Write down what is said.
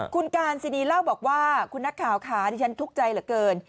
คุณการซินีเล่าบอกว่าคุณนักข่าวค่ะดิฉันทุกข์ใจเหลือเกิน